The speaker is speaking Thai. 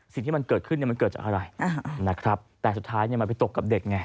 สิ่งที่มันเกิดขึ้นเนี่ยมันเกิดจากอะไรนะครับแต่สุดท้ายมันไปตกกับเด็กไง